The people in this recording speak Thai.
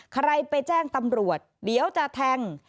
ใครไปแจ้งตำรวจเดี๋ยวจะแทง